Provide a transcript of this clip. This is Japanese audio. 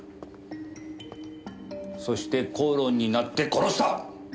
そして口論になって殺した！